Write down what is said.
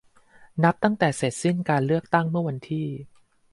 นับตั้งแต่เสร็จสิ้นการเลือกตั้งเมื่อวันที่